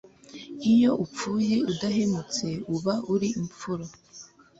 iyo upfuye udahemutse uba uri imfura »